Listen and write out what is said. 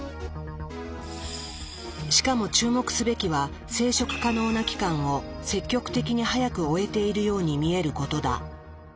しかも注目すべきは生殖可能な期間を積極的に早く終えているように見えることだ。